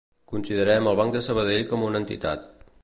Considerem el Banc de Sabadell com una entitat.